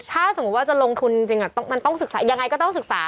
ถ้าสมมุติว่าจะลงทุนจริงมันต้องศึกษายังไงก็ต้องศึกษา